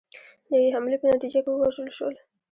د یوې حملې په نتیجه کې ووژل شول